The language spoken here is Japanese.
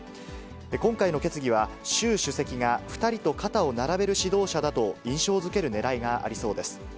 今回の決議は、習主席が２人と肩を並べる指導者だと印象づけるねらいがありそうです。